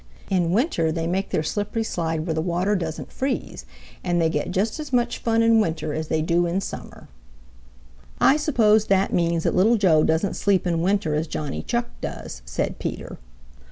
In winter they make their slippery slide where the water doesn't freeze, and they get just as much fun in winter as they do in summer." "I suppose that means that Little Joe doesn't sleep in winter as Johnny Chuck does," said Peter.